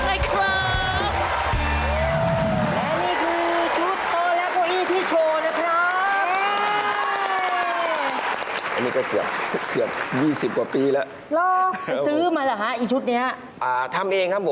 ค่าทุกอย่างก็เกือบหมื่นนะครับค่าทุกอย่างก็เกือบหมื่นนะครับ